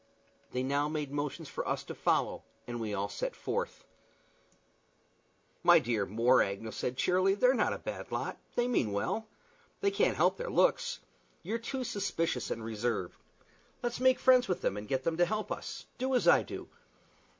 They now made motions to us to follow, and we all set forth together. "My dear More," said Agnew, cheerily, "they're not a bad lot. They mean well. They can't help their looks. You're too suspicious and reserved. Let's make friends with them, and get them to help us. Do as I do."